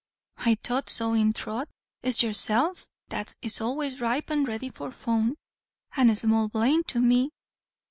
"I thought so in throth. It's yoursef that is always ripe and ready for fun." "And small blame to me."